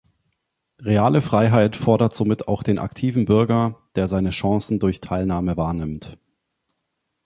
Reale Freiheit fordert somit auch den aktiven Bürger, der seine Chancen durch Teilnahme wahrnimmt.